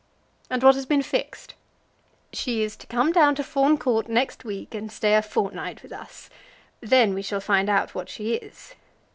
"And what has been fixed?" "She is to come down to Fawn Court next week, and stay a fortnight with us. Then we shall find out what she is."